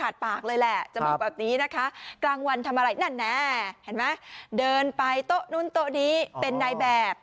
เดินไปโต๊ะนู่นโต๊ะนี้เป็นนายแบบ